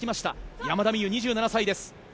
山田美諭、２７歳です。